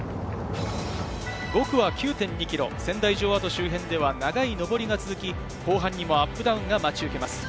５区は９．２ｋｍ、仙台城跡周辺では長い上りが続き、後半にもアップダウンが待ち受けます。